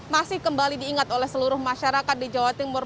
masih kembali diingat oleh seluruh masyarakat di jawa timur